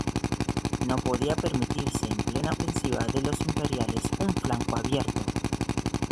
No podía permitirse en plena ofensiva de los imperiales un flanco abierto.